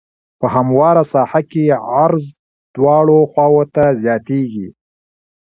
په همواره ساحه کې عرض دواړو خواوو ته زیاتیږي